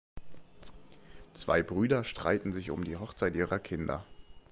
Zwei Brüder streiten sich um die Hochzeit ihrer Kinder.